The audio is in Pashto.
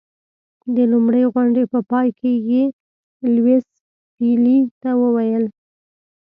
د لومړۍ غونډې په پای کې یې لیویس پیلي ته وویل.